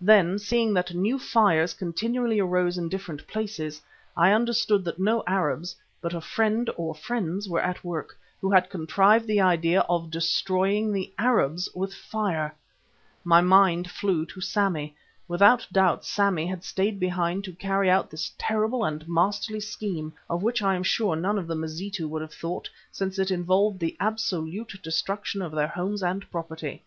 Then, seeing that new fires continually arose in different places, I understood that no Arabs, but a friend or friends were at work, who had conceived the idea of destroying the Arabs with fire. My mind flew to Sammy. Without doubt Sammy had stayed behind to carry out this terrible and masterly scheme, of which I am sure none of the Mazitu would have thought, since it involved the absolute destruction of their homes and property.